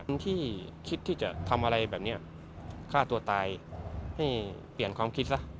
ที่คิดที่จะทำอะไรแบบนี้ฆ่าตัวตายให้เปลี่ยนความคิดซะ